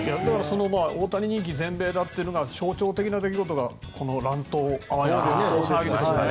大谷人気全米だったっていうのが象徴的な出来事があの、あわやの乱闘ですよね。